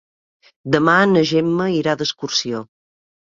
Demà na Gemma irà d'excursió.